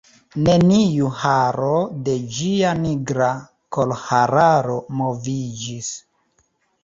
Neniu haro de ĝia nigra kolhararo moviĝis.